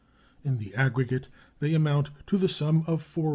In the aggregate they amount to the sum of $498,694.